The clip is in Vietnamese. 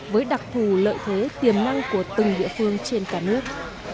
với đặc thù lợi thế tiềm năng của từng địa phương trên cả nước